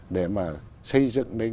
để mà xây dựng nên